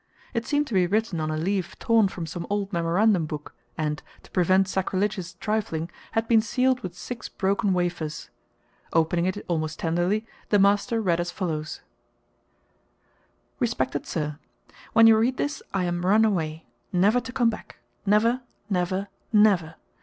It seemed to be written on a leaf torn from some old memorandum book, and, to prevent sacrilegious trifling, had been sealed with six broken wafers. Opening it almost tenderly, the master read as follows: RESPECTED SIR When you read this, I am run away. Never to come back. NEVER, NEVER, NEVER.